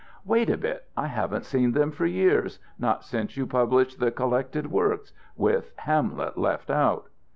"Wait a bit. I haven't seen them for years, not since you published the collected works with Hamlet left out."